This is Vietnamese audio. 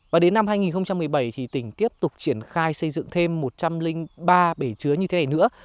và đến năm hai nghìn một mươi bảy thì tỉnh tiếp tục triển khai xây dựng thêm một trăm linh ba bể chứa như thế này nữa